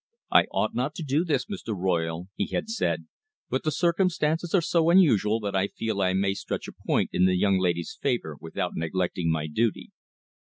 "I ought not to do this, Mr. Royle," he had said, "but the circumstances are so unusual that I feel I may stretch a point in the young lady's favour without neglecting my duty.